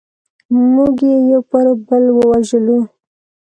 موږ یې یو پر بل ووژلو.